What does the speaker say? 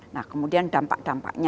nah kemudian dampak dampaknya